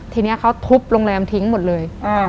ทีนี้เขาทุบโรงแรมทิ้งหมดเลย